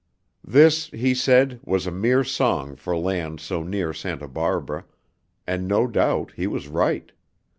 This, he said, was a mere song for land so near Santa Barbara; and, no doubt, he was right.